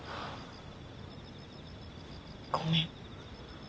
ごめん。